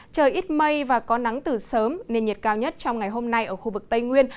trời ít mây và có nắng từ sớm nên nhiệt cao nhất trong ngày hôm nay ở khu vực tây nguyên